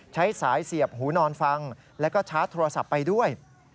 ใช้สายเสียบหูนอนฟังแล้วก็ชาร์จโทรศัพท์ไปด้วย